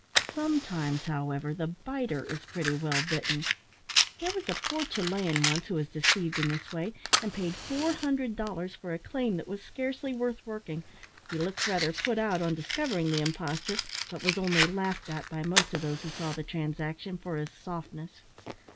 Sometimes, however, the biter is pretty well bitten. There was a poor Chilian once who was deceived in this way, and paid four hundred dollars for a claim that was scarcely worth working. He looked rather put out on discovering the imposture, but was only laughed at by most of those who saw the transaction for his softness.